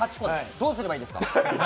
どうすればいいですか？